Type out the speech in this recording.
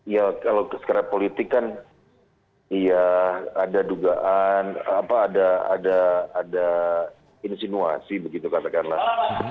ya kalau secara politik kan ya ada dugaan apa ada insinuasi begitu katakanlah